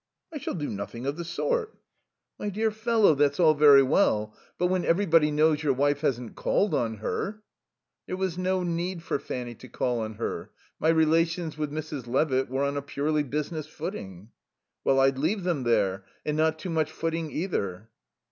"I shall do nothing of the sort." "My dear fellow, that's all very well, but when everybody knows your wife hasn't called on her " "There was no need for Fanny to call on her. My relations with Mrs. Levitt were on a purely business footing " "Well, I'd leave them there, and not too much footing either."